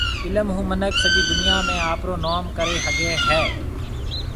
علم هون مِنک سجِي دُنيا ۾ آپرو نوم ڪريَ هگھيَََ هيَ۔